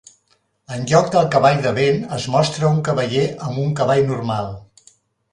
En lloc del Cavall de vent, es mostra un cavaller amb un cavall normal.